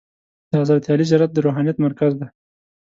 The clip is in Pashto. د حضرت علي زیارت د روحانیت مرکز دی.